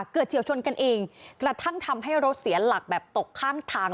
เฉียวชนกันเองกระทั่งทำให้รถเสียหลักแบบตกข้างทาง